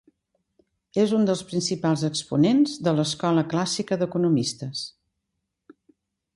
És un dels principals exponents de l'Escola Clàssica d'economistes.